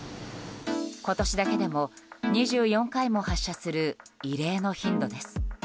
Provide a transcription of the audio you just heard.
今年だけでも２４回も発射する異例の頻度です。